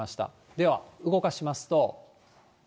では動かしますと。